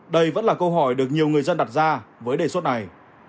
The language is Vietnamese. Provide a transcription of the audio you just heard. đây vẫn là câu hỏi được nhiều người dân đặt ra với đề xuất này